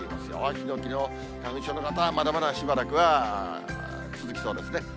ヒノキの花粉症の方はまだまだしばらくは続きそうですね。